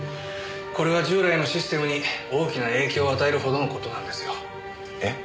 これは従来のシステムに大きな影響を与えるほどの事なんですよ。え？